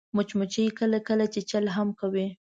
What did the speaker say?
مچمچۍ کله کله چیچل هم کوي